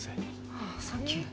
ああサンキュー。